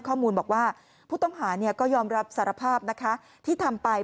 ข้อมูลบอกว่าผู้ต้องหาก็ยอมรับสารภาพนะคะที่ทำไป